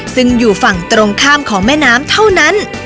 ซึ่งอยู่ฝั่งตรงข้ามของแม่น้ำเท่านั้น